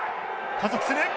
加速する！